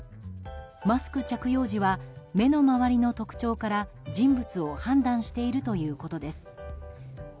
マスク着用時は目の周りの特徴から人物を判断しているということです。